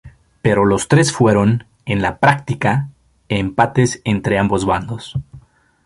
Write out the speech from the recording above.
Pero los tres fueron, en la práctica, empates entre ambos bandos.